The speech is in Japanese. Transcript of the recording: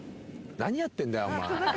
何やってんだよ、お前。